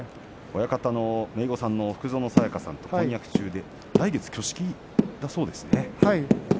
親方のめいごさんの福薗清香さんと婚約中で来月挙式だそうですね。